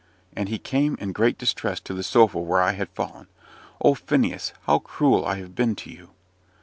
And he came in great distress to the sofa where I had fallen. "Oh, Phineas! how cruel I have been to you!"